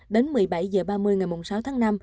đến một mươi bảy h ba mươi ngày sáu tháng năm